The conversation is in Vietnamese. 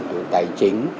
từ tài chính